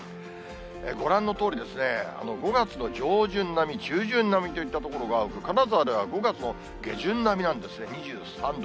ご覧のとおり、５月の上旬並み、中旬並みといった所が多く、金沢では５月の下旬並みなんですね、２３度。